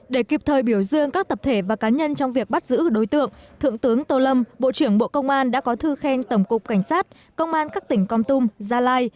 để kịp thời biểu dương các tập thể và cá nhân trong việc bắt giữ đối tượng thượng tướng tô lâm bộ trưởng bộ công an đã có thư khen tổng cục cảnh sát công an các tỉnh con tum gia lai